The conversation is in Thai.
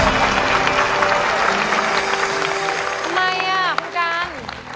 ทำไมอ่ะคุณกัน